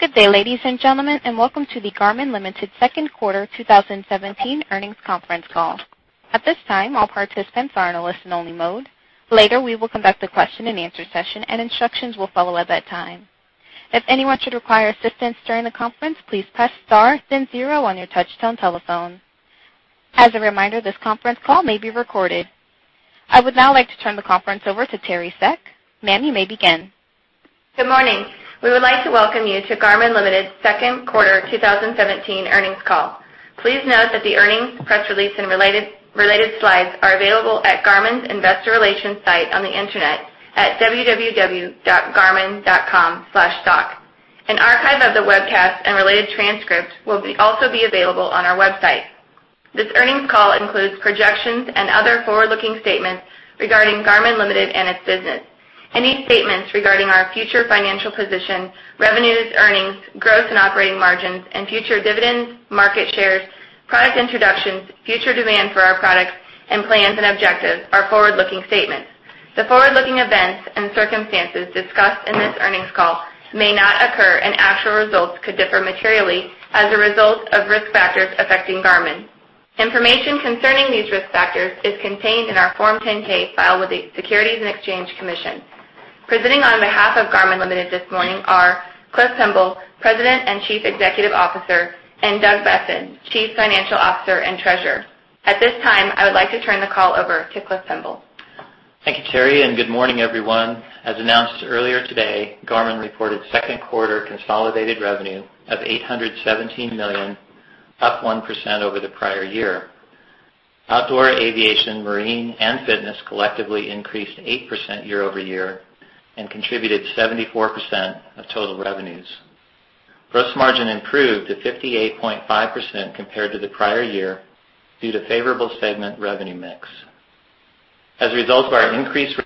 Good day, ladies and gentlemen, and welcome to the Garmin Ltd. second quarter 2017 earnings conference call. At this time, all participants are in a listen only mode. Later, we will conduct a question and answer session, and instructions will follow at that time. If anyone should require assistance during the conference, please press star then zero on your touchtone telephone. As a reminder, this conference call may be recorded. I would now like to turn the conference over to Teri Seck. Ma'am, you may begin. Good morning. We would like to welcome you to Garmin Ltd.'s second quarter 2017 earnings call. Please note that the earnings press release and related slides are available at Garmin's Investor Relations site on the internet at www.garmin.com/stock. An archive of the webcast and related transcript will also be available on our website. This earnings call includes projections and other forward-looking statements regarding Garmin Ltd. and its business. Any statements regarding our future financial position, revenues, earnings, growth and operating margins and future dividends, market shares, product introductions, future demand for our products and plans and objectives are forward-looking statements. The forward-looking events and circumstances discussed in this earnings call may not occur, and actual results could differ materially as a result of risk factors affecting Garmin. Information concerning these risk factors is contained in our Form 10-K filed with the Securities and Exchange Commission. Presenting on behalf of Garmin Ltd. this morning are Clifton Pemble, President and Chief Executive Officer, and Douglas Boessen, Chief Financial Officer and Treasurer. At this time, I would like to turn the call over to Clifton Pemble. Thank you, Teri, and good morning, everyone. As announced earlier today, Garmin reported second quarter consolidated revenue of $817 million, up 1% over the prior year. Outdoor aviation, marine, and fitness collectively increased 8% year over year and contributed 74% of total revenues. Gross margin improved to 58.5% compared to the prior year due to favorable segment revenue mix. As a result of our increased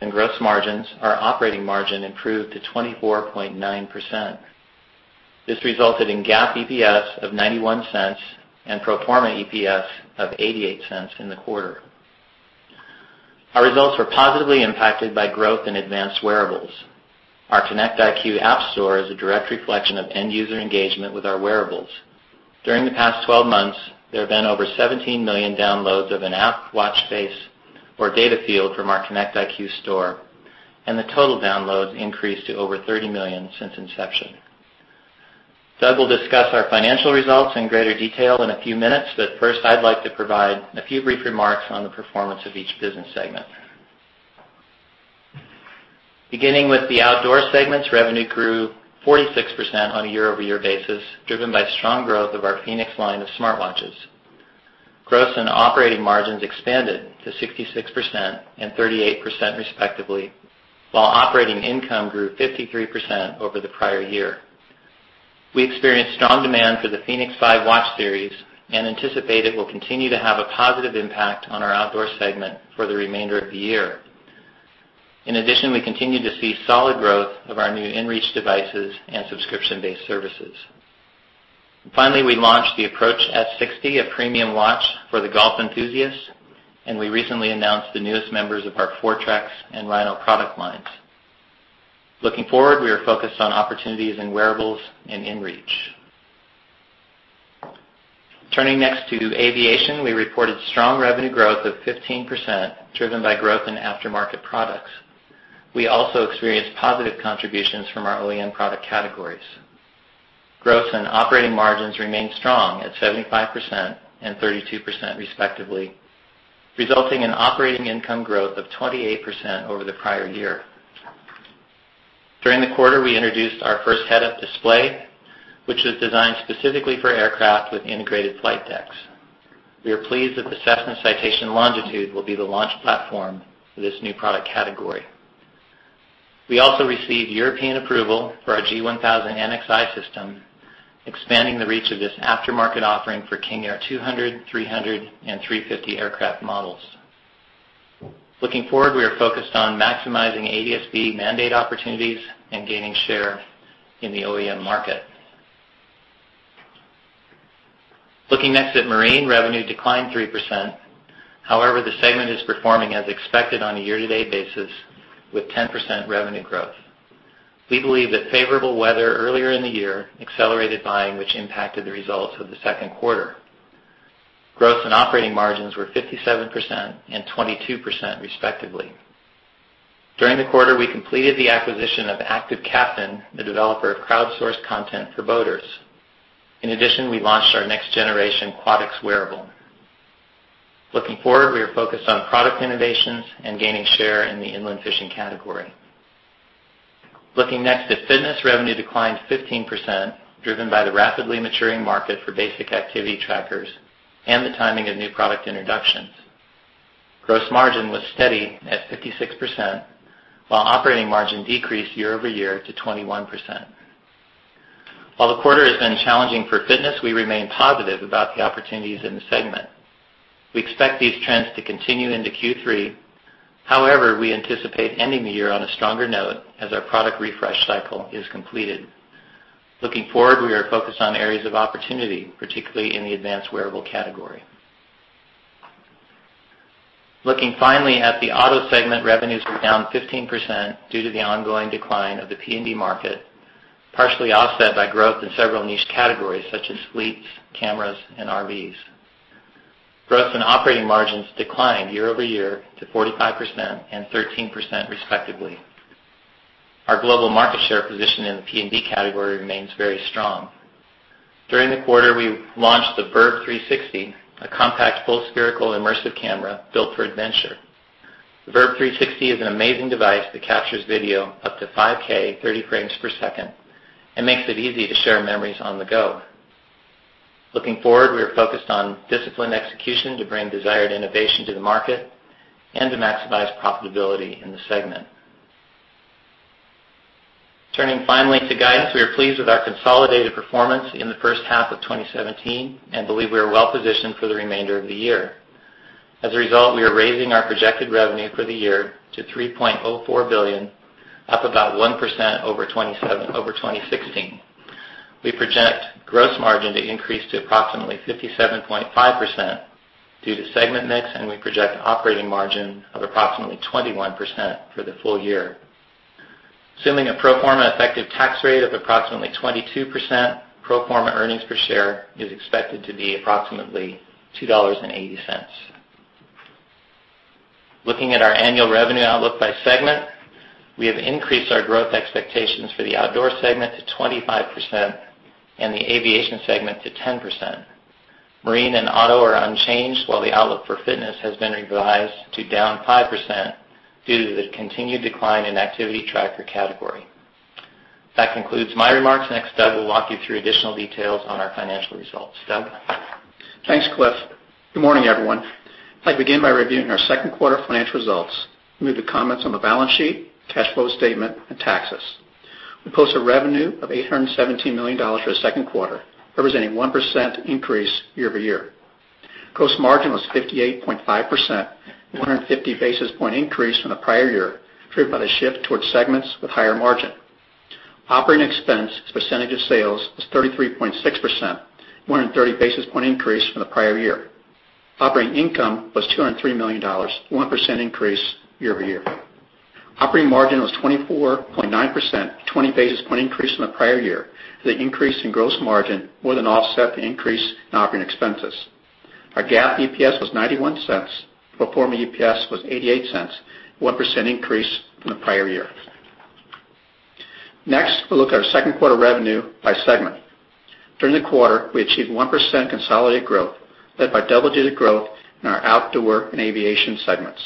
and gross margins, our operating margin improved to 24.9%. This resulted in GAAP EPS of $0.91 and pro forma EPS of $0.88 in the quarter. Our results were positively impacted by growth in advanced wearables. Our Connect IQ app store is a direct reflection of end user engagement with our wearables. During the past 12 months, there have been over 17 million downloads of an app watch face or data field from our Connect IQ store, and the total downloads increased to over 30 million since inception. Doug will discuss our financial results in greater detail in a few minutes, but first, I'd like to provide a few brief remarks on the performance of each business segment. Beginning with the Outdoor segments, revenue grew 46% on a year-over-year basis, driven by strong growth of our fēnix line of smartwatches. Gross and operating margins expanded to 66% and 38%, respectively, while operating income grew 53% over the prior year. We experienced strong demand for the fēnix 5 watch series and anticipate it will continue to have a positive impact on our Outdoor segment for the remainder of the year. In addition, we continue to see solid growth of our new inReach devices and subscription-based services. Finally, we launched the Approach S60, a premium watch for the golf enthusiasts, and we recently announced the newest members of our Foretrex and Rino product lines. Looking forward, we are focused on opportunities in wearables and inReach. Turning next to Aviation. We reported strong revenue growth of 15%, driven by growth in aftermarket products. We also experienced positive contributions from our OEM product categories. Gross and operating margins remained strong at 75% and 32%, respectively, resulting in operating income growth of 28% over the prior year. During the quarter, we introduced our first head-up display, which was designed specifically for aircraft with integrated flight decks. We are pleased that the Cessna Citation Longitude will be the launch platform for this new product category. We also received European approval for our G1000 NXi system, expanding the reach of this aftermarket offering for King Air 200, 300 and 350 aircraft models. Looking forward, we are focused on maximizing ADS-B mandate opportunities and gaining share in the OEM market. Looking next at Marine, revenue declined 3%. However, the segment is performing as expected on a year-to-date basis with 10% revenue growth. We believe that favorable weather earlier in the year accelerated buying, which impacted the results of the second quarter. Gross and operating margins were 57% and 22%, respectively. During the quarter, we completed the acquisition of ActiveCaptain, the developer of crowdsourced content for boaters. In addition, we launched our next generation quatix wearable. Looking forward, we are focused on product innovations and gaining share in the inland fishing category. Looking next at Fitness, revenue declined 15%, driven by the rapidly maturing market for basic activity trackers and the timing of new product introductions. Gross margin was steady at 56%, while operating margin decreased year-over-year to 21%. While the quarter has been challenging for Fitness, we remain positive about the opportunities in the segment. We expect these trends to continue into Q3. However, we anticipate ending the year on a stronger note as our product refresh cycle is completed. Looking forward, we are focused on areas of opportunity, particularly in the advanced wearable category. Looking finally at the Auto segment, revenues were down 15% due to the ongoing decline of the PND market, partially offset by growth in several niche categories such as fleets, cameras, and RVs. Gross and operating margins declined year-over-year to 45% and 13%, respectively. Our global market share position in the PND category remains very strong. During the quarter, we launched the VIRB 360, a compact, full spherical immersive camera built for adventure. The VIRB 360 is an amazing device that captures video up to 5K 30 frames per second and makes it easy to share memories on the go. Looking forward, we are focused on disciplined execution to bring desired innovation to the market and to maximize profitability in the segment. Turning finally to guidance, we are pleased with our consolidated performance in the first half of 2017 and believe we are well-positioned for the remainder of the year. As a result, we are raising our projected revenue for the year to $3.04 billion, up about 1% over 2016. We project gross margin to increase to approximately 57.5% due to segment mix. We project an operating margin of approximately 21% for the full year. Assuming a pro forma effective tax rate of approximately 22%, pro forma earnings per share is expected to be approximately $2.80. Looking at our annual revenue outlook by segment, we have increased our growth expectations for the outdoor segment to 25% and the aviation segment to 10%. Marine and auto are unchanged, while the outlook for fitness has been revised to down 5% due to the continued decline in activity tracker category. That concludes my remarks. Next, Doug will walk you through additional details on our financial results. Doug? Thanks, Cliff. Good morning, everyone. I'd begin by reviewing our second quarter financial results, move to comments on the balance sheet, cash flow statement and taxes. We posted revenue of $817 million for the second quarter, representing 1% increase year-over-year. Gross margin was 58.5%, 150 basis point increase from the prior year, driven by the shift towards segments with higher margin. Operating expense as a percentage of sales was 33.6%, 130 basis point increase from the prior year. Operating income was $203 million, a 1% increase year-over-year. Operating margin was 24.9%, 20 basis point increase from the prior year. The increase in gross margin more than offset the increase in operating expenses. Our GAAP EPS was $0.91. Pro forma EPS was $0.88, a 1% increase from the prior year. Next, we'll look at our second quarter revenue by segment. During the quarter, we achieved 1% consolidated growth, led by double-digit growth in our outdoor and aviation segments.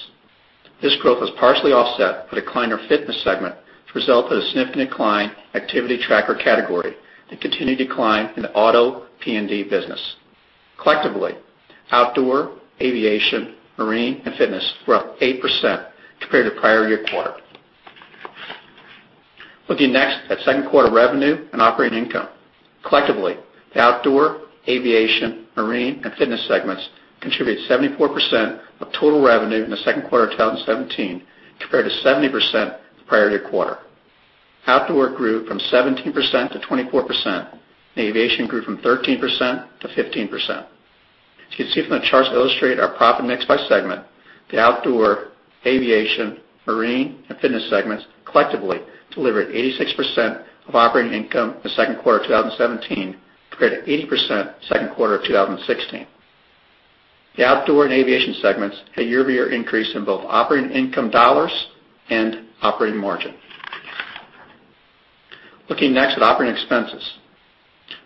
This growth was partially offset by decline in our fitness segment, which resulted in a significant decline in activity tracker category and continued decline in the auto PND business. Collectively, outdoor, aviation, marine, and fitness were up 8% compared to prior year quarter. Looking next at second quarter revenue and operating income. Collectively, the outdoor, aviation, marine, and fitness segments contributed 74% of total revenue in the second quarter of 2017 compared to 70% the prior year quarter. Outdoor grew from 17% to 24%, and aviation grew from 13% to 15%. As you can see from the charts that illustrate our profit mix by segment, the outdoor, aviation, marine, and fitness segments collectively delivered 86% of operating income in the second quarter of 2017, compared to 80% second quarter of 2016. The outdoor and aviation segments had year-over-year increase in both operating income dollars and operating margin. Looking next at operating expenses.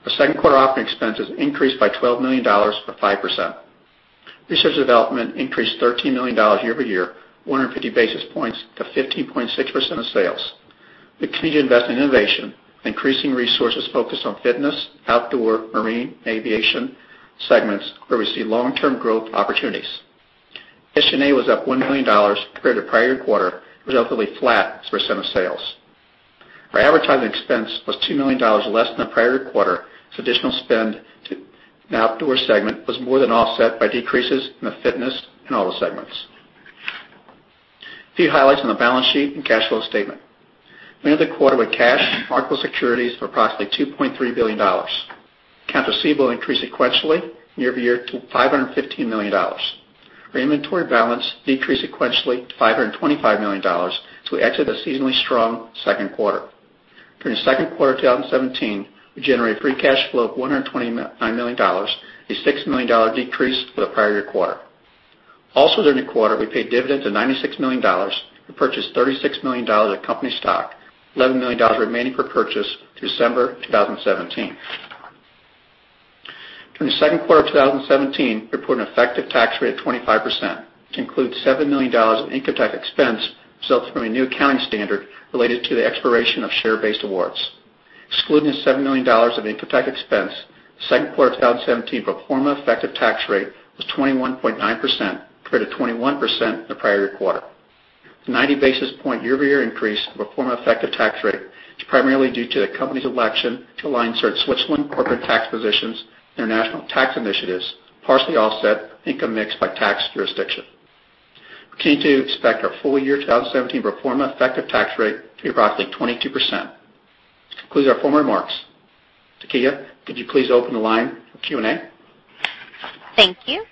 The second quarter operating expenses increased by $12 million or 5%. Research and development increased $13 million year-over-year, 150 basis points to 15.6% of sales. We continue to invest in innovation, increasing resources focused on fitness, outdoor, marine, aviation segments where we see long-term growth opportunities. SG&A was up $1 million compared to the prior year quarter. It was ultimately flat as a % of sales. Our advertising expense was $2 million less than the prior year quarter as additional spend to the outdoor segment was more than offset by decreases in the fitness and auto segments. A few highlights on the balance sheet and cash flow statement. We ended the quarter with cash and marketable securities of approximately $2.3 billion. Accounts receivable increased sequentially year-over-year to $515 million. Our inventory balance decreased sequentially to $525 million as we exit a seasonally strong second quarter. During the second quarter of 2017, we generated free cash flow of $129 million, a $6 million decrease to the prior year quarter. Also, during the quarter, we paid dividends of $96 million and purchased $36 million of company stock, $11 million remaining for purchase through December 2017. During the second quarter of 2017, we reported an effective tax rate of 25%, which includes $7 million of income tax expense resulting from a new accounting standard related to the expiration of share-based awards. Excluding the $7 million of income tax expense, the second quarter 2017 pro forma effective tax rate was 21.9% compared to 21% in the prior year quarter. The 90 basis point year-over-year increase in pro forma effective tax rate is primarily due to the company's election to align certain Switzerland corporate tax positions in our national tax initiatives, partially offset income mix by tax jurisdiction. We continue to expect our full year 2017 pro forma effective tax rate to be approximately 22%. Concludes our formal remarks. Takia, could you please open the line for Q&A? Thank you.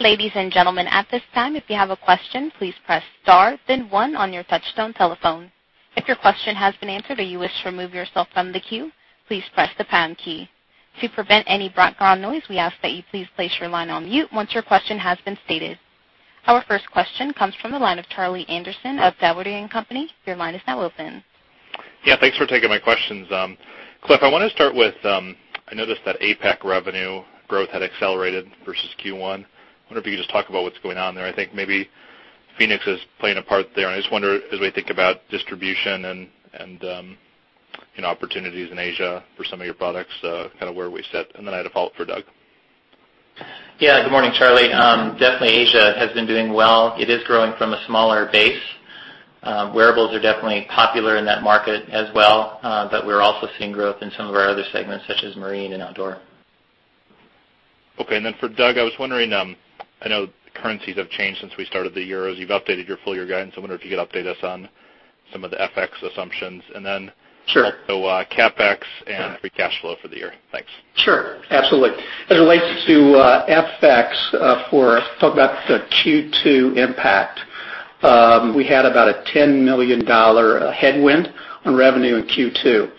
Ladies and gentlemen, at this time, if you have a question, please press star then one on your touchtone telephone. If your question has been answered or you wish to remove yourself from the queue, please press the pound key. To prevent any background noise, we ask that you please place your line on mute once your question has been stated. Our first question comes from the line of Charlie Anderson of Dougherty & Company. Your line is now open. Yeah. Thanks for taking my questions. Cliff, I want to start with, I noticed that APAC revenue growth had accelerated versus Q1. I wonder if you could just talk about what's going on there. I think maybe fēnix is playing a part there, and I just wonder as we think about distribution and opportunities in Asia for some of your products, kind of where we sit. I had a follow-up for Doug. Yeah. Good morning, Charlie. Definitely Asia has been doing well. It is growing from a smaller base. Wearables are definitely popular in that market as well, but we're also seeing growth in some of our other segments, such as marine and outdoor. Okay, for Doug, I was wondering, I know currencies have changed since we started the year, as you've updated your full-year guidance. I wonder if you could update us on some of the FX assumptions. Sure. Also CapEx and free cash flow for the year. Thanks. Sure, absolutely. As it relates to FX, talk about the Q2 impact, we had about a $10 million headwind on revenue in Q2.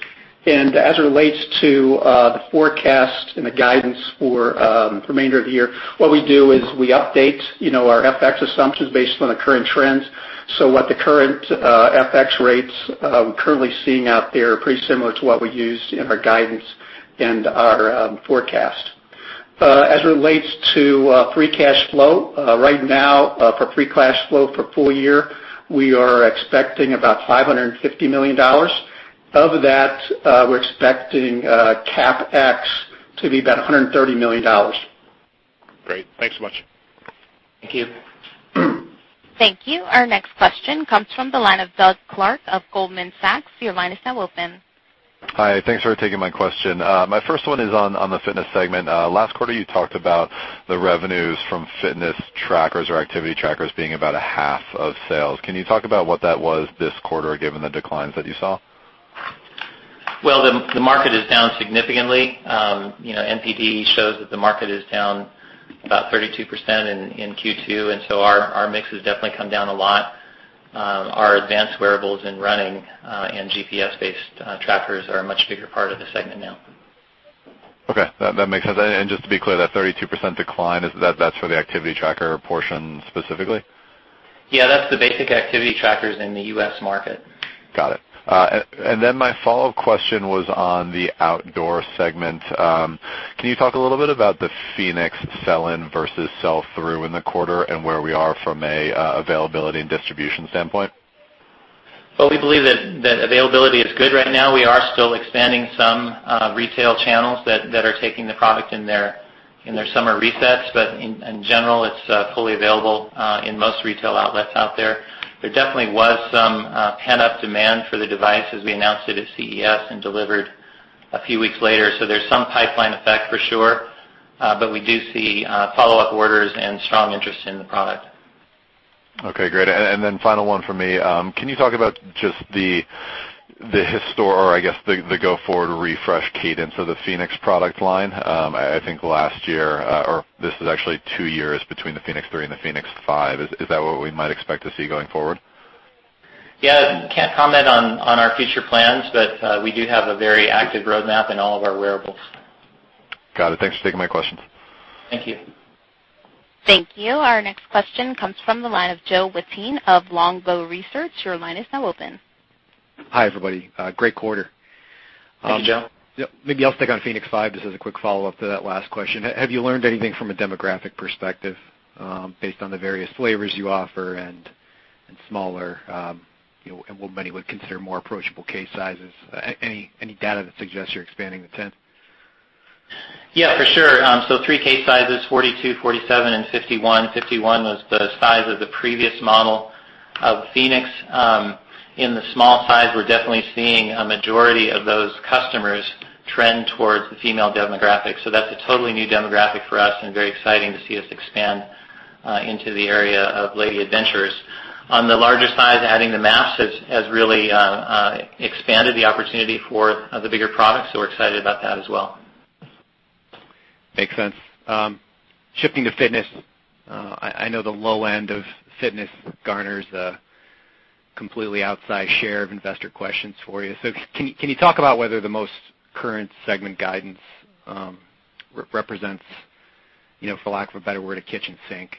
As it relates to the forecast and the guidance for the remainder of the year, what we do is we update our FX assumptions based on the current trends. What the current FX rates we're currently seeing out there are pretty similar to what we used in our guidance and our forecast. As it relates to free cash flow, right now, for free cash flow for full year, we are expecting about $550 million. Of that, we're expecting CapEx to be about $130 million. Great. Thanks so much. Thank you. Thank you. Our next question comes from the line of Doug Clark of Goldman Sachs. Your line is now open. Hi, thanks for taking my question. My first one is on the fitness segment. Last quarter you talked about the revenues from fitness trackers or activity trackers being about a half of sales. Can you talk about what that was this quarter, given the declines that you saw? Well, the market is down significantly. NPD shows that the market is down about 32% in Q2, and so our mix has definitely come down a lot. Our advanced wearables in running and GPS-based trackers are a much bigger part of the segment now. Okay. That makes sense. Just to be clear, that 32% decline, that's for the activity tracker portion specifically? Yeah, that's the basic activity trackers in the U.S. market. Got it. My follow-up question was on the outdoor segment. Can you talk a little bit about the fēnix sell-in versus sell-through in the quarter and where we are from a availability and distribution standpoint? Well, we believe that availability is good right now. We are still expanding some retail channels that are taking the product in their summer resets. In general, it's fully available in most retail outlets out there. There definitely was some pent-up demand for the device as we announced it at CES and delivered a few weeks later. There's some pipeline effect for sure. We do see follow-up orders and strong interest in the product. Okay, great. Final one from me. Can you talk about just the historic or I guess, the go-forward refresh cadence of the fēnix product line? I think last year, or this is actually two years between the fēnix 3 and the fēnix 5. Is that what we might expect to see going forward? Yeah. Can't comment on our future plans, we do have a very active roadmap in all of our wearables. Got it. Thanks for taking my questions. Thank you. Thank you. Our next question comes from the line of Joe Wittine of Longbow Research. Your line is now open. Hi, everybody. Great quarter. Thank you, Joe. I'll stick on fēnix 5 just as a quick follow-up to that last question. Have you learned anything from a demographic perspective based on the various flavors you offer and smaller, and what many would consider more approachable case sizes? Any data that suggests you're expanding the tent? Yeah, for sure. Three case sizes, 42, 47, and 51. 51 was the size of the previous model of fēnix. In the small size, we're definitely seeing a majority of those customers trend towards the female demographic. That's a totally new demographic for us and very exciting to see us expand into the area of lady adventurers. On the larger size, adding the maps has really expanded the opportunity for the bigger product. We're excited about that as well. Makes sense. Shifting to fitness, I know the low end of fitness garners a completely outsized share of investor questions for you. Can you talk about whether the most current segment guidance represents, for lack of a better word, a kitchen sink?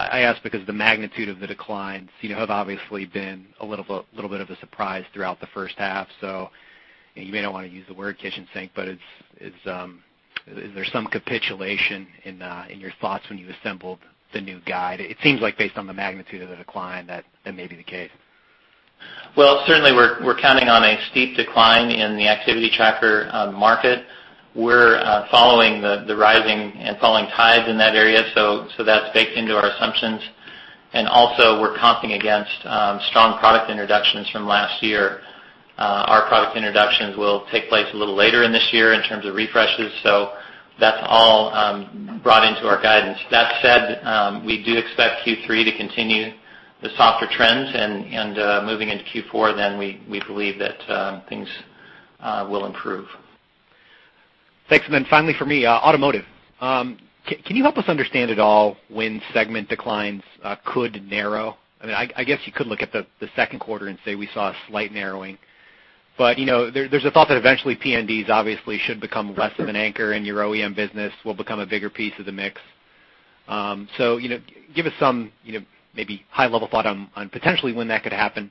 I ask because the magnitude of the declines have obviously been a little bit of a surprise throughout the first half. You may not want to use the word kitchen sink, but is there some capitulation in your thoughts when you assembled the new guide? It seems like based on the magnitude of the decline, that may be the case. Certainly we're counting on a steep decline in the activity tracker market. We're following the rising and falling tides in that area. That's baked into our assumptions. Also we're comping against strong product introductions from last year. Our product introductions will take place a little later in this year in terms of refreshes. That's all brought into our guidance. That said, we do expect Q3 to continue the softer trends. Moving into Q4, we believe that things will improve. Thanks. Finally for me, automotive. Can you help us understand at all when segment declines could narrow? I guess you could look at the second quarter and say we saw a slight narrowing. There's a thought that eventually PNDs obviously should become less of an anchor and your OEM business will become a bigger piece of the mix. Give us some maybe high-level thought on potentially when that could happen.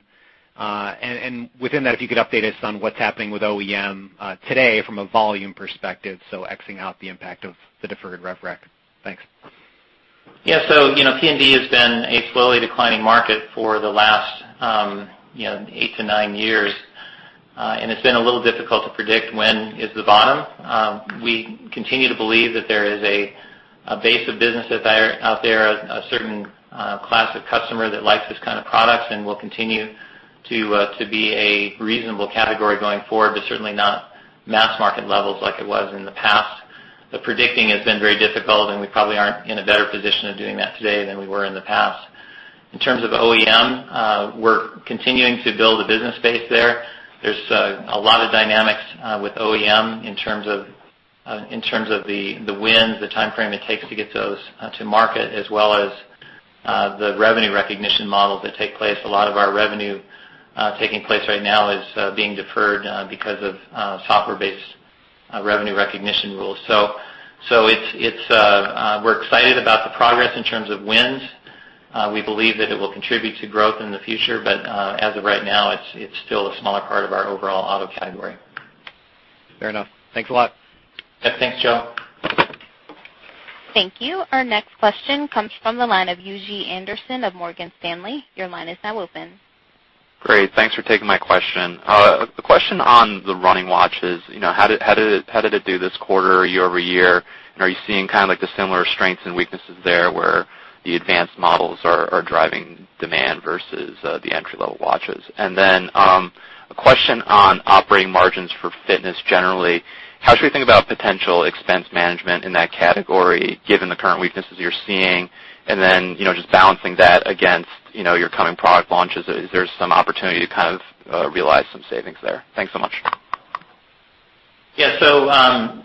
Within that, if you could update us on what's happening with OEM today from a volume perspective, so X-ing out the impact of the deferred rev rec. Thanks. PND has been a slowly declining market for the last eight to nine years. It's been a little difficult to predict when is the bottom. We continue to believe that there is a base of business out there, a certain class of customer that likes this kind of product and will continue to be a reasonable category going forward, certainly not mass market levels like it was in the past. The predicting has been very difficult, we probably aren't in a better position of doing that today than we were in the past. In terms of OEM, we're continuing to build a business base there. There's a lot of dynamics with OEM in terms of the wins, the timeframe it takes to get those to market, as well as the revenue recognition models that take place. A lot of our revenue taking place right now is being deferred because of software-based revenue recognition rules. We're excited about the progress in terms of wins. We believe that it will contribute to growth in the future, as of right now, it's still a smaller part of our overall auto category. Fair enough. Thanks a lot. Yeah. Thanks, Joe. Thank you. Our next question comes from the line of Yuuji Anderson of Morgan Stanley. Your line is now open. Great. Thanks for taking my question. A question on the running watches. How did it do this quarter year-over-year? Are you seeing kind of the similar strengths and weaknesses there, where the advanced models are driving demand versus the entry-level watches? A question on operating margins for fitness generally. How should we think about potential expense management in that category given the current weaknesses you're seeing, and then, just balancing that against your coming product launches? Is there some opportunity to kind of realize some savings there? Thanks so much. Yeah.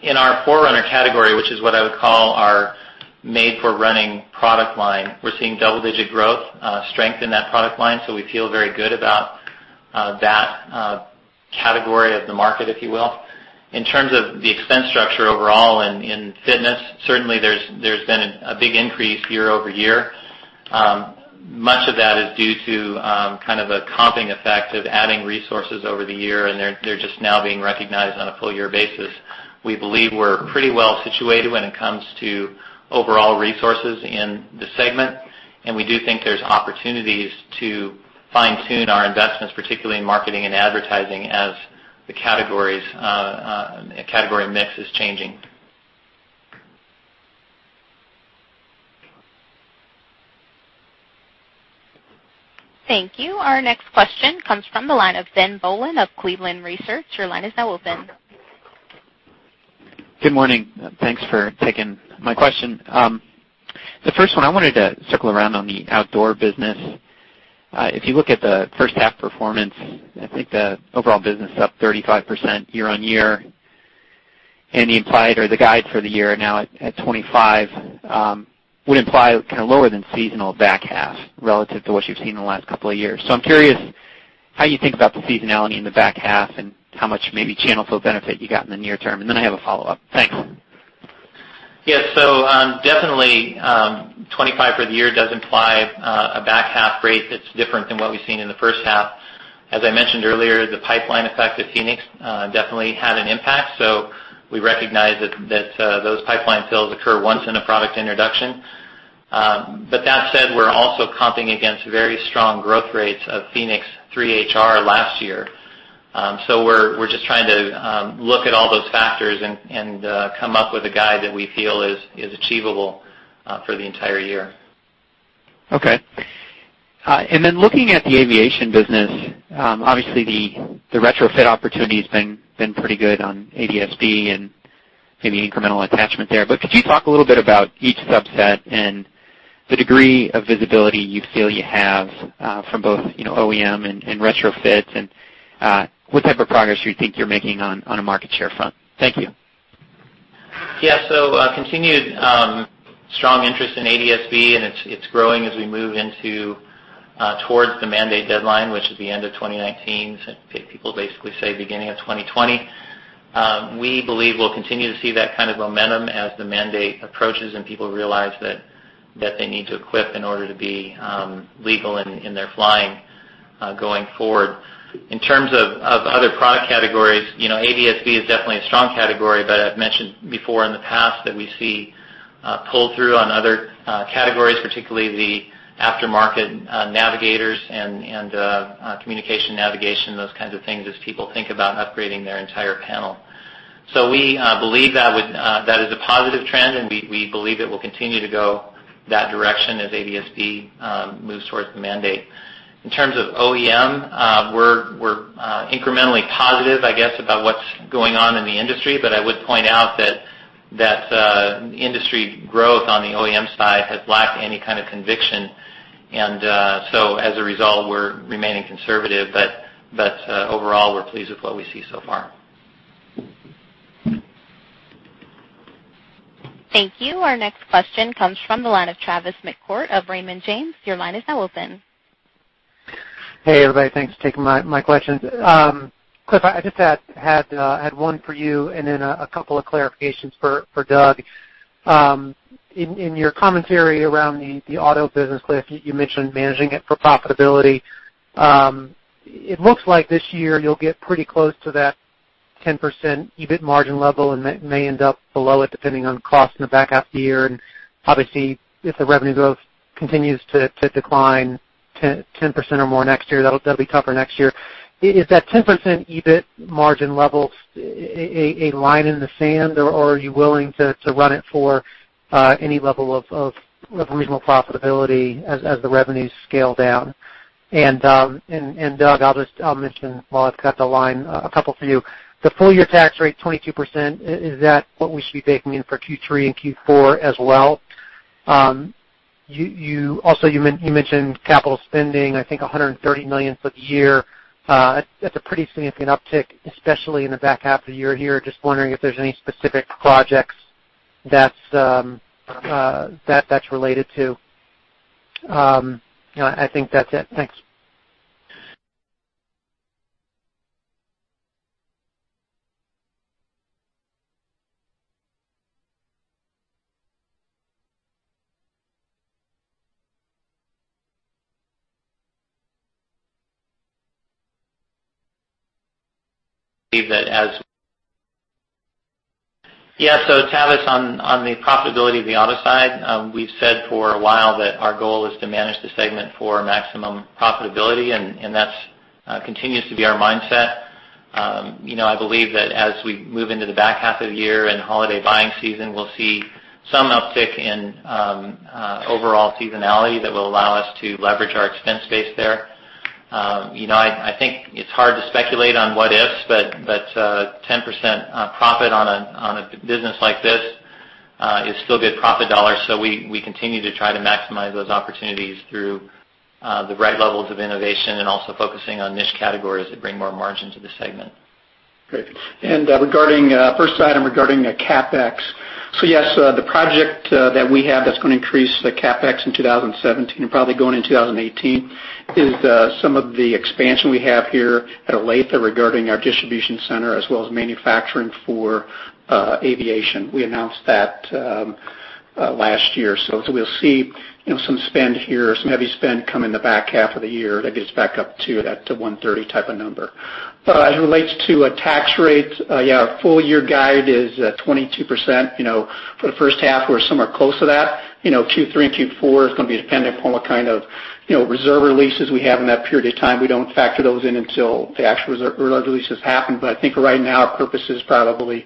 In our Forerunner category, which is what I would call our made-for-running product line, we're seeing double-digit growth strength in that product line. We feel very good about that category of the market, if you will. In terms of the expense structure overall in fitness, certainly there's been a big increase year-over-year. Much of that is due to kind of a comping effect of adding resources over the year, and they're just now being recognized on a full-year basis. We believe we're pretty well-situated when it comes to overall resources in the segment, and we do think there's opportunities to fine-tune our investments, particularly in marketing and advertising as the category mix is changing. Thank you. Our next question comes from the line of Ben Bollin of Cleveland Research. Your line is now open. Good morning. Thanks for taking my question. The first one, I wanted to circle around on the outdoor business. If you look at the first half performance, I think the overall business is up 35% year-on-year. The implied or the guide for the year now at 25 would imply kind of lower than seasonal back half relative to what you've seen in the last couple of years. I'm curious how you think about the seasonality in the back half and how much maybe channel fill benefit you got in the near term. I have a follow-up. Thanks. Yeah. Definitely, 25 for the year does imply a back half rate that's different than what we've seen in the first half. As I mentioned earlier, the pipeline effect at fēnix definitely had an impact. We recognize that those pipeline fills occur once in a product introduction. That said, we're also comping against very strong growth rates of fēnix 3 HR last year. We're just trying to look at all those factors and come up with a guide that we feel is achievable for the entire year. Okay. Looking at the aviation business, obviously the retrofit opportunity's been pretty good on ADS-B and maybe incremental attachment there. Could you talk a little bit about each subset and the degree of visibility you feel you have from both OEM and retrofits, and what type of progress you think you're making on a market share front? Thank you. Yeah. Continued strong interest in ADS-B, and it's growing as we move towards the mandate deadline, which is the end of 2019, so people basically say beginning of 2020. We believe we'll continue to see that kind of momentum as the mandate approaches and people realize that they need to equip in order to be legal in their flying going forward. In terms of other product categories, ADS-B is definitely a strong category. I've mentioned before in the past that we see pull-through on other categories, particularly the aftermarket navigators and communication navigation, those kinds of things, as people think about upgrading their entire panel. We believe that is a positive trend, and we believe it will continue to go that direction as ADS-B moves towards the mandate. In terms of OEM, we're incrementally positive, I guess, about what's going on in the industry. I would point out that industry growth on the OEM side has lacked any kind of conviction. As a result, we're remaining conservative. Overall, we're pleased with what we see so far. Thank you. Our next question comes from the line of Tavis McCourt of Raymond James. Your line is now open. Hey, everybody. Thanks for taking my questions. Cliff, I just had one for you and then a couple of clarifications for Doug. In your commentary around the auto business, Cliff, you mentioned managing it for profitability. It looks like this year you'll get pretty close to that 10% EBIT margin level and may end up below it depending on costs in the back half of the year. Obviously, if the revenue growth continues to decline 10% or more next year, that'll be tougher next year. Is that 10% EBIT margin level a line in the sand, or are you willing to run it for any level of reasonable profitability as the revenues scale down? Doug, I'll mention, while I've got the line, a couple for you. The full-year tax rate, 22%, is that what we should be baking in for Q3 and Q4 as well? You mentioned capital spending, I think $130 million for the year. That's a pretty significant uptick, especially in the back half of the year here. Just wondering if there's any specific projects that that's related to. I think that's it. Thanks. Tavis, on the profitability of the auto side, we've said for a while that our goal is to manage the segment for maximum profitability, and that continues to be our mindset. I believe that as we move into the back half of the year and holiday buying season, we'll see some uptick in overall seasonality that will allow us to leverage our expense base there. I think it's hard to speculate on what-ifs, but 10% profit on a business like this is still good profit dollars, so we continue to try to maximize those opportunities through the right levels of innovation and also focusing on niche categories that bring more margin to the segment. Great. First item regarding CapEx. Yes, the project that we have that's going to increase the CapEx in 2017 and probably going into 2018 is some of the expansion we have here at Olathe regarding our distribution center as well as manufacturing for aviation. We announced that last year. We'll see some spend here, some heavy spend come in the back half of the year that gets back up to that to $130 type of number. As it relates to tax rates, our full-year guide is 22%. For the first half, we're somewhere close to that. Q3 and Q4 is going to be dependent upon what kind of reserve releases we have in that period of time. We don't factor those in until the actual reserve releases happen. I think right now our purpose is probably a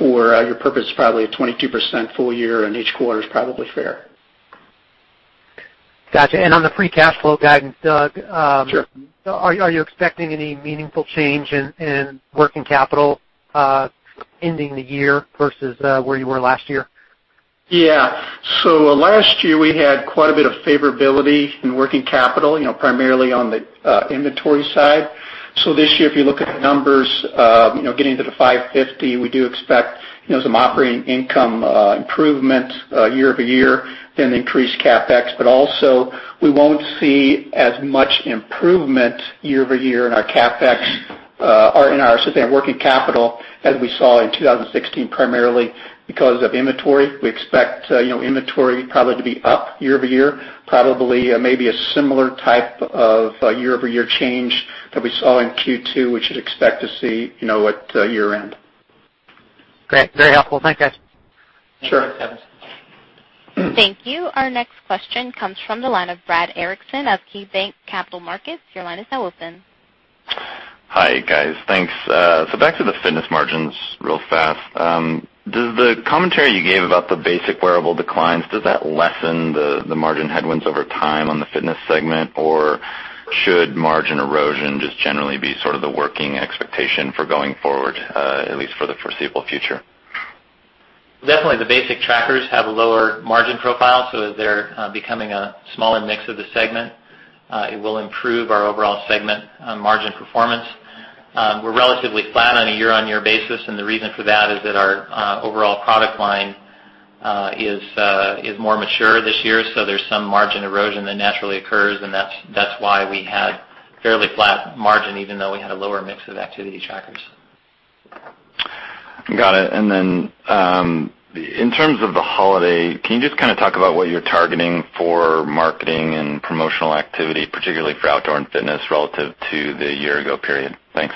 22% full year and each quarter is probably fair. Got you. On the free cash flow guidance, Doug. Sure. Are you expecting any meaningful change in working capital ending the year versus where you were last year? Yeah. Last year, we had quite a bit of favorability in working capital, primarily on the inventory side. This year, if you look at the numbers, getting to the $550, we do expect some operating income improvement year-over-year, then increased CapEx. Also, we won't see as much improvement year-over-year in our working capital as we saw in 2016, primarily because of inventory. We expect inventory probably to be up year-over-year. Probably maybe a similar type of year-over-year change that we saw in Q2, we should expect to see at year-end. Great. Very helpful. Thanks, guys. Sure. Thanks. Thank you. Our next question comes from the line of Brad Erickson of KeyBanc Capital Markets. Your line is now open. Hi, guys. Thanks. Back to the fitness margins real fast. Does the commentary you gave about the basic wearable declines, does that lessen the margin headwinds over time on the fitness segment, or should margin erosion just generally be sort of the working expectation for going forward, at least for the foreseeable future? Definitely the basic trackers have a lower margin profile. As they're becoming a smaller mix of the segment, it will improve our overall segment margin performance. We're relatively flat on a year-on-year basis. The reason for that is that our overall product line is more mature this year. There's some margin erosion that naturally occurs, and that's why we had fairly flat margin, even though we had a lower mix of activity trackers. Got it. In terms of the holiday, can you just talk about what you're targeting for marketing and promotional activity, particularly for outdoor and fitness relative to the year ago period? Thanks.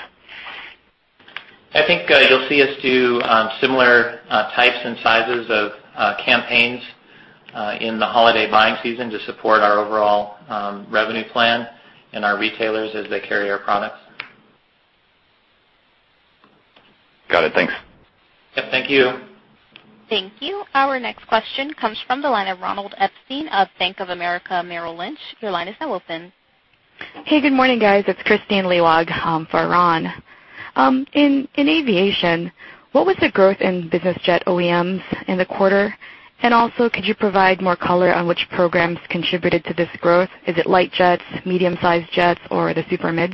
I think you'll see us do similar types and sizes of campaigns in the holiday buying season to support our overall revenue plan and our retailers as they carry our products. Got it. Thanks. Yep, thank you. Thank you. Our next question comes from the line of Ronald Epstein of Bank of America Merrill Lynch. Your line is now open. Hey, good morning, guys. It's Christine Liu for Ron. In aviation, what was the growth in business jet OEMs in the quarter? Also, could you provide more color on which programs contributed to this growth? Is it light jets, medium-sized jets, or the super mids?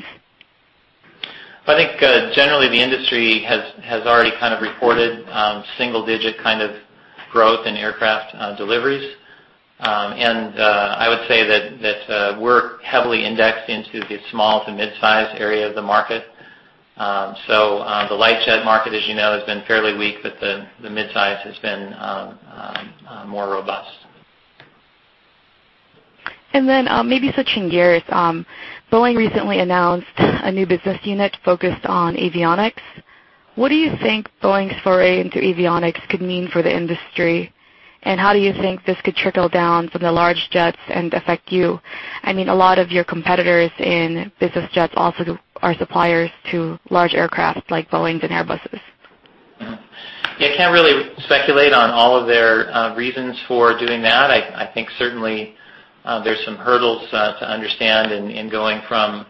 I think, generally, the industry has already kind of reported single-digit kind of growth in aircraft deliveries. I would say that we're heavily indexed into the small- to mid-size area of the market. The light jet market, as you know, has been fairly weak, but the midsize has been more robust. Then maybe switching gears, Boeing recently announced a new business unit focused on avionics. What do you think Boeing's foray into avionics could mean for the industry, and how do you think this could trickle down from the large jets and affect you? I mean, a lot of your competitors in business jets also are suppliers to large aircraft like Boeing and Airbuses. Yeah. I can't really speculate on all of their reasons for doing that. I think certainly there's some hurdles to understand in going from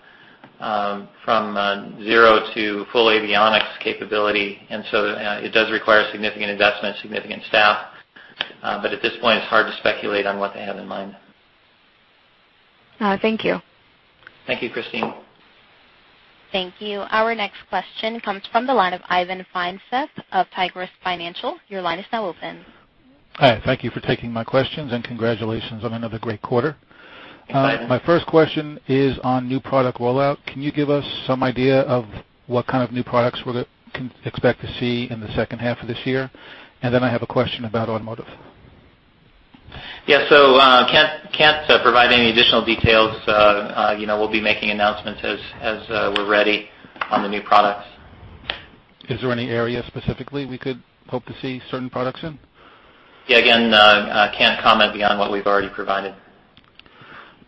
zero to full avionics capability. It does require significant investment, significant staff. At this point, it's hard to speculate on what they have in mind. Thank you. Thank you, Christine. Thank you. Our next question comes from the line of Ivan Feinseth of Tigress Financial. Your line is now open. Hi. Thank you for taking my questions, and congratulations on another great quarter. My pleasure. My first question is on new product rollout. Can you give us some idea of what kind of new products we can expect to see in the second half of this year? I have a question about automotive. Yeah. Can't provide any additional details. We'll be making announcements as we're ready on the new products. Is there any area specifically we could hope to see certain products in? Yeah, again, can't comment beyond what we've already provided.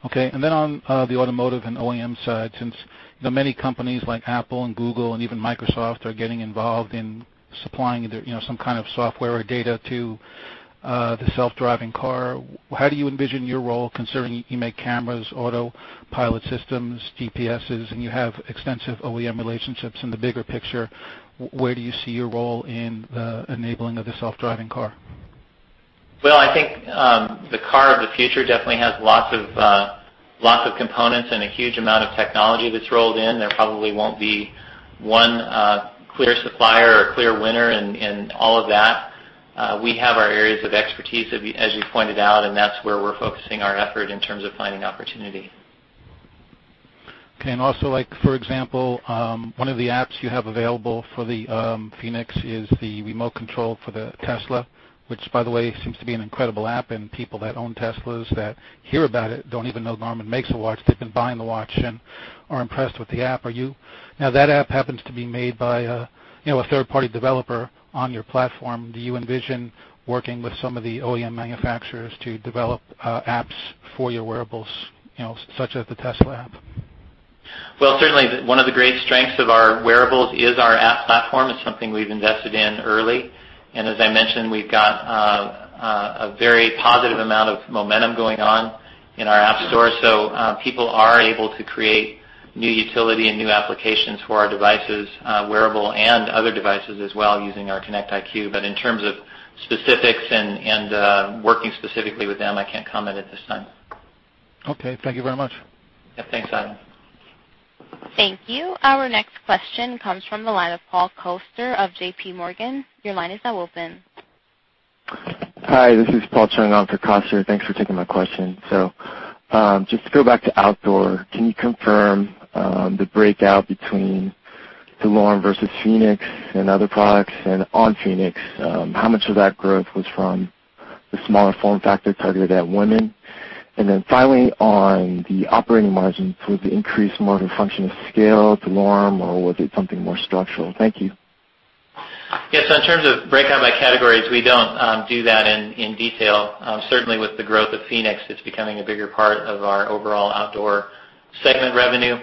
Okay. Then on the automotive and OEM side, since many companies like Apple and Google and even Microsoft are getting involved in supplying some kind of software or data to the self-driving car, how do you envision your role, considering you make cameras, autopilot systems, GPSs, and you have extensive OEM relationships? In the bigger picture, where do you see your role in the enabling of the self-driving car? Well, I think, the car of the future definitely has lots of components and a huge amount of technology that's rolled in. There probably won't be one clear supplier or clear winner in all of that. We have our areas of expertise, as you pointed out, and that's where we're focusing our effort in terms of finding opportunity. Okay. Also, for example, one of the apps you have available for the fēnix is the remote control for the Tesla, which by the way, seems to be an incredible app. People that own Teslas that hear about it don't even know Garmin makes a watch. They've been buying the watch and are impressed with the app. Now, that app happens to be made by a third-party developer on your platform. Do you envision working with some of the OEM manufacturers to develop apps for your wearables, such as the Tesla app? Well, certainly one of the great strengths of our wearables is our app platform. It's something we've invested in early, as I mentioned, we've got a very positive amount of momentum going on in our app store. People are able to create new utility and new applications for our devices, wearable and other devices as well, using our Connect IQ. In terms of specifics and working specifically with them, I can't comment at this time. Okay. Thank you very much. Yeah. Thanks, Ivan. Thank you. Our next question comes from the line of Paul Coster of JPMorgan. Your line is now open. Hi, this is Paul Chung on for Coster. Thanks for taking my question. Just to go back to outdoor, can you confirm the breakout between the DeLorme versus fēnix and other products? On fēnix, how much of that growth was from the smaller form factor targeted at women? Finally, on the operating margins, was the increase more of a function of scale DeLorme, or was it something more structural? Thank you. Yes. In terms of breakout by categories, we don't do that in detail. Certainly, with the growth of fēnix, it's becoming a bigger part of our overall outdoor segment revenue.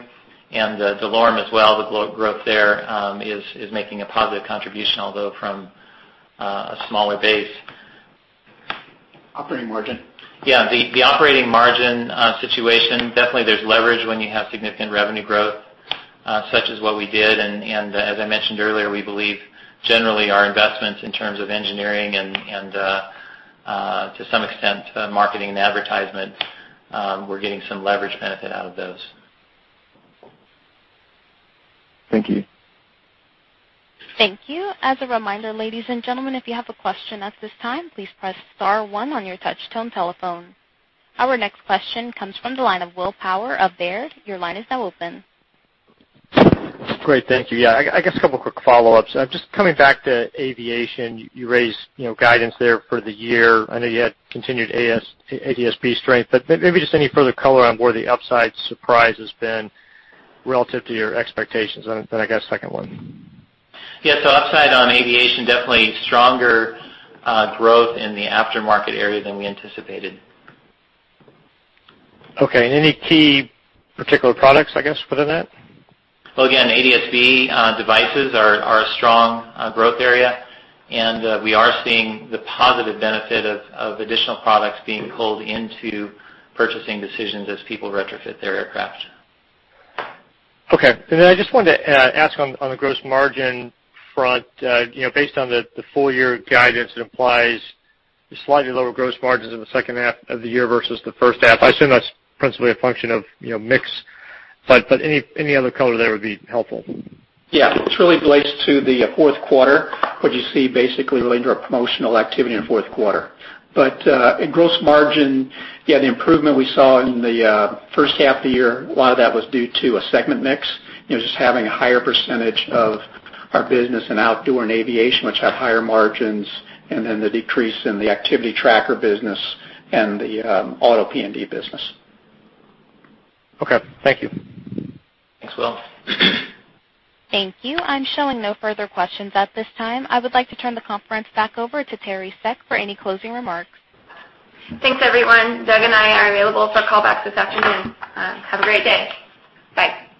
The DeLorme as well, the growth there is making a positive contribution, although from a smaller base. Operating margin. Yeah. The operating margin situation, definitely there's leverage when you have significant revenue growth, such as what we did. As I mentioned earlier, we believe generally our investments in terms of engineering and, to some extent, marketing and advertisement, we're getting some leverage benefit out of those. Thank you. Thank you. As a reminder, ladies and gentlemen, if you have a question at this time, please press star one on your touchtone telephone. Our next question comes from the line of William Power of Baird. Your line is now open. Great. Thank you. Yeah, I guess a couple quick follow-ups. Just coming back to aviation, you raised guidance there for the year. I know you had continued ADS-B strength, maybe just any further color on where the upside surprise has been relative to your expectations? I got a second one. Yeah. Upside on aviation, definitely stronger growth in the aftermarket area than we anticipated. Okay. Any key particular products, I guess, within that? Well, again, ADS-B devices are a strong growth area, and we are seeing the positive benefit of additional products being pulled into purchasing decisions as people retrofit their aircraft. Okay. I just wanted to ask on the gross margin front. Based on the full-year guidance, it implies slightly lower gross margins in the second half of the year versus the first half. I assume that's principally a function of mix, but any other color there would be helpful. It really relates to the fourth quarter, what you see basically related to our promotional activity in fourth quarter. In gross margin, the improvement we saw in the first half of the year, a lot of that was due to a segment mix, just having a higher percentage of our business in outdoor and aviation, which have higher margins, and then the decrease in the activity tracker business and the auto PND business. Thank you. Thanks, Will. Thank you. I'm showing no further questions at this time. I would like to turn the conference back over to Teri Seck for any closing remarks. Thanks, everyone. Doug and I are available for callbacks this afternoon. Have a great day. Bye